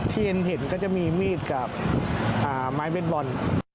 เห็นก็จะมีมีดกับไม้เบสบอล